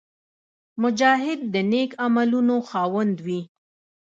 مجاهد د نېک عملونو خاوند وي.